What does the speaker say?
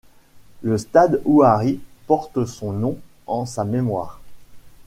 Le stade 'Houari' porte son nom en sa mémoire.